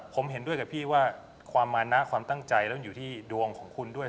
ผมเห็นด้วยกับพี่ว่าความมานะความตั้งใจแล้วมันอยู่ที่ดวงของคุณด้วย